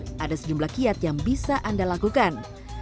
kita akan membuat perubahan yang bisa anda lakukan